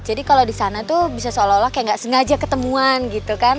jadi kalau di sana tuh bisa seolah olah kayak enggak sengaja ketemuan gitu kan